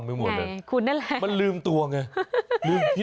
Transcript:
มันลืมตัวไง